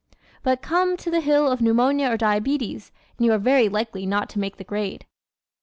But come to the hill of Pneumonia or Diabetes and you are very likely not to make the grade.